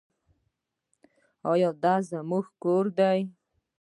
دا زموږ کور دی